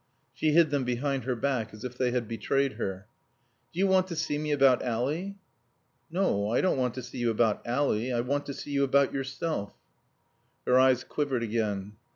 She hid them behind her back as if they had betrayed her. "Do you want to see me about Ally?" "No, I don't want to see you about Ally. I want to see you about yourself." Her eyes quivered again.